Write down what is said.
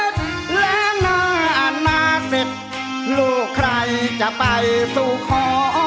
นี้เป็นความสำนักของงานเมือง